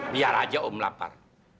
biar aja om lapar